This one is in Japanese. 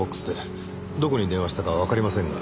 どこに電話したかはわかりませんが。